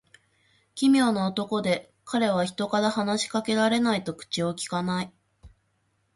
奇妙な男で、彼は人から話し掛けられないと口をきかない。